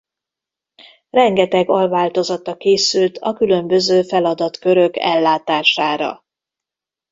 Rengeteg alváltozata készült a különböző feladatkörök ellátására.